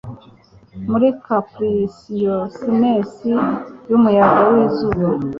muri capriciousness yumuyaga wizuba